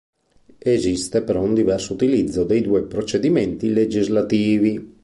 Esiste però un diverso utilizzo dei due procedimenti legislativi.